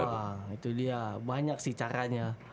wah itu dia banyak sih caranya